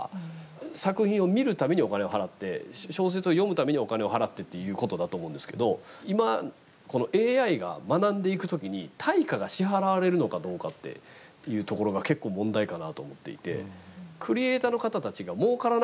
作品を見るためにお金を払って小説を読むためにお金を払ってっていうことだと思うんですけど今このＡＩが学んでいく時に対価が支払われるのかどうかっていうところが結構問題かなと思っていて。